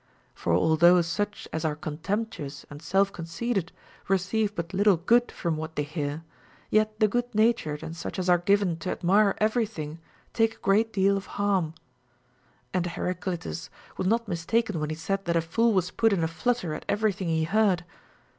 For although such as are contemptuous and self conceited receive but little good from what they hear, yet the good natured and such as are given to admire every thins: take a great deal of harm. And Heraclitus was not mistaken when he said that a fool was put in a flutter at every thing he heard.